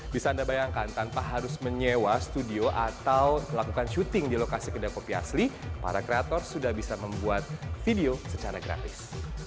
bisa anda bayangkan tanpa harus menyewa studio atau melakukan syuting di lokasi kedai kopi asli para kreator sudah bisa membuat video secara gratis